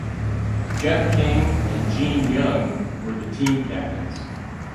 Jeff King and Gene Young were the team captains.